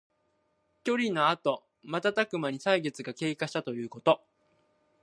別離のあとまたたくまに歳月が経過したということ。